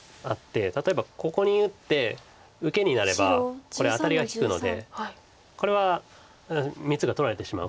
例えばここに打って受けになればこれアタリが利くのでこれは３つが取られてしまう。